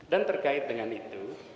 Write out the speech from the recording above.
dan terkait dengan itu